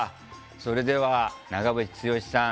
それでは長渕剛さん